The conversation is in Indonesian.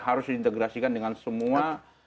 harus diintegrasikan dengan semua